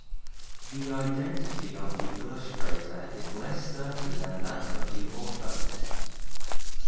The identity of the illustrator is less certain than that of the author.